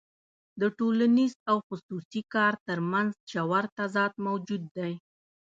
د ټولنیز او خصوصي کار ترمنځ ژور تضاد موجود دی